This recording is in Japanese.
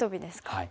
はい。